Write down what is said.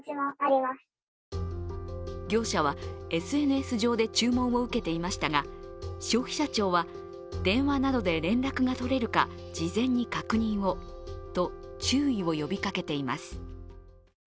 業者はＳＮＳ上で注文を受けていましたが消費者庁は電話などで連絡が取れるか事前に確認をと注意を呼びかけています。